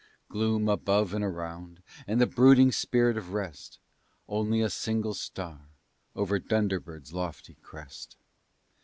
Gloom above and around, and the brooding spirit of rest; Only a single star over Dunderberg's lofty crest.